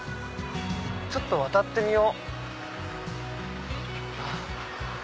ちょっと渡ってみよう。